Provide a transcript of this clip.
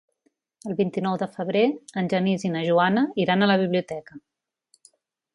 El vint-i-nou de febrer en Genís i na Joana iran a la biblioteca.